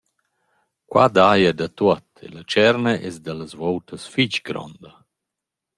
Qua daja da tuot e la tscherna es da las voutas fich gronda.